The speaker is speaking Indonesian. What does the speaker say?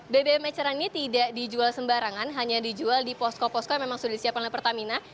bbm eceran ini tidak dijual sembarangan hanya dijual di posko posko yang memang sudah disiapkan oleh pertamina